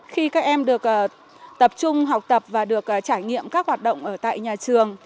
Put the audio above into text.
khi các em được tập trung học tập và được trải nghiệm các hoạt động ở tại nhà trường